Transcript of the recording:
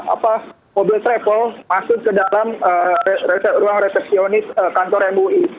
apa mobil travel masuk ke dalam ruang resepsionis kantor mui